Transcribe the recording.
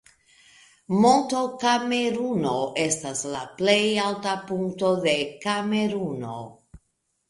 Monto Kameruno estas la plej alta punkto de Kameruno.